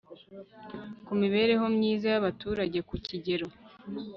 ku mibereho myiza y abaturage ku kigero